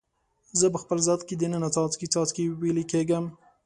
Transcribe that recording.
زه په خپل ذات کې د ننه څاڅکي، څاڅکي ویلي کیږم